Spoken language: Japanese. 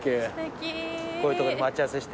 こういうとこで待ち合わせして。